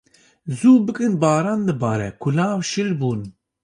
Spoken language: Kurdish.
Zû bikin baran dibare, kulav şil bûn.